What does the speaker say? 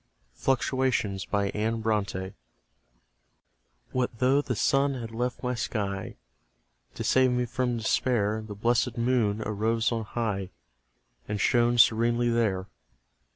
FLUCTUATIONS, What though the Sun had left my sky; To save me from despair The blessed Moon arose on high, And shone serenely there.